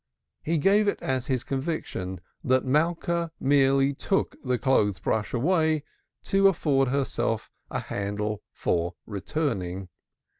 He gave it as his conviction that Malka merely took the clothes brush away to afford herself a handle for returning.